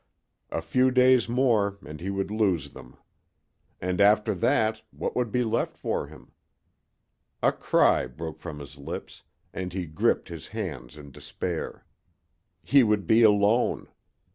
A few days more and he would lose them. And after that what would be left for him? A cry broke from his lips, and he gripped his hands in despair. He would be alone.